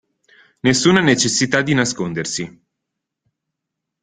Nessuna necessità di nascondersi.